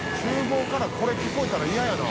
厨房からこれ聞こえたら嫌やな。